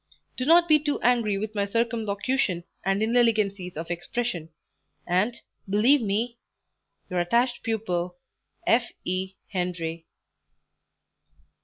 Do not be too angry with my circumlocution and inelegancies of expression, and, believe me "Your attached pupil, "F. E. HENRI."